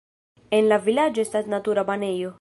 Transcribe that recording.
En la vilaĝo estas natura banejo.